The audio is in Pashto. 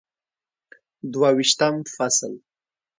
دوه ویشتم فصل